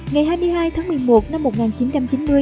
ngày hai mươi hai tháng một mươi một năm một nghìn chín trăm chín mươi